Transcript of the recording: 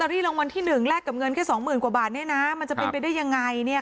ลอตเตอรี่รางวัลที่หนึ่งแลกกับเงินแค่สองหมื่นกว่าบาทเนี่ยนะมันจะเป็นไปได้ยังไงเนี่ยค่ะ